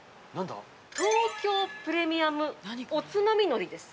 「東京プレミアムおつまみ海苔」です。